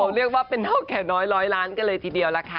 เรียกว่าเป็นนอกแขกน้อยร้อยล้านกันเลยทีเดียวล่ะค่ะ